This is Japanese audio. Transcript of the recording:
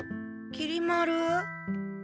きり丸。